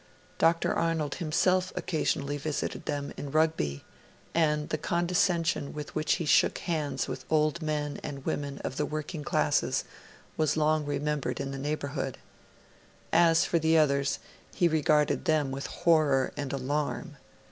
Dr. Arnold himself occasionally visited them, in Rugby; and the condescension with which he shook hands with old men and women of the working classes was long remembered in the neighbourhood. As for the others, he regarded them with horror and alarm.